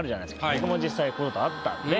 僕も実際こういう事あったんで。